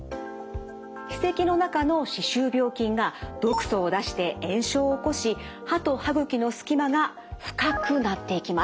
歯石の中の歯周病菌が毒素を出して炎症を起こし歯と歯ぐきのすき間が深くなっていきます。